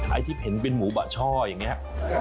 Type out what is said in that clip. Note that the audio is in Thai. ไอ้ที่เห็นเป็นหมูบะช่ออย่างนี้